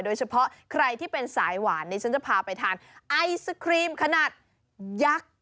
โดยเฉพาะใครที่เป็นสายหวานนี่ฉันจะพาไปทานไอศครีมขนาดยักษ์